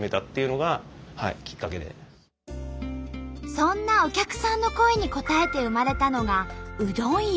そんなお客さんの声に応えて生まれたのがうどん湯。